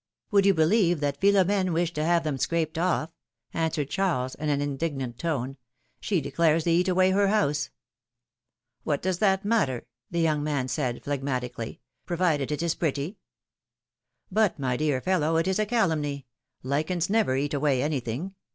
Would you believe that Philom^ne wished to have them scraped oflp?^^ answered Charles, in an indignant tone. She declares they eat away her house ! What does that matter,^^ the young man said, phleg matically, provided it is pretty ? philom^:ne's marriages. 151 my dear fellow, it is a calumny — lichens never eat away anything